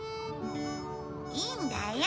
いいんだよ。